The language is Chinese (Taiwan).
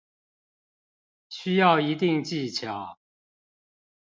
需要一定技巧